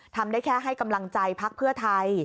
ทำได้แค่ให้กำลังใจพักเพื่อไทย